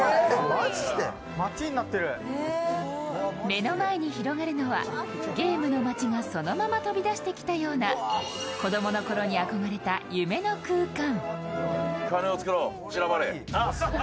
目の前に広がるのはゲームの町がそのまま飛び出してきたような子供のころに憧れた夢の空間。